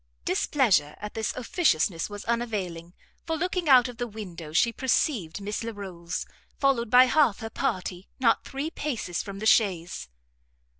Displeasure at this officiousness was unavailing, for looking out of the window, she perceived Miss Larolles, followed by half her party, not three paces from the chaise.